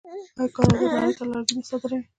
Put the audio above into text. آیا کاناډا نړۍ ته لرګي نه صادروي؟